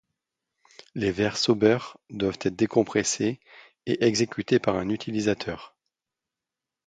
Les vers Sober doivent être décompressés et exécutés par un utilisateur.